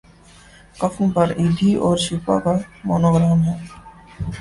کفن پر ایدھی اور چھیپا کا مونو گرام